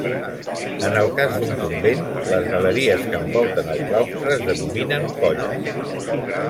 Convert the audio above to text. En el cas d'un convent, les galeries que envolten el claustre es denominen colla.